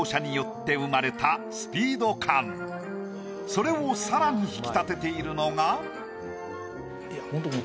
それをさらに引き立てているのが。